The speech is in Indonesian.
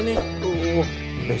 debbie tiap bulan ini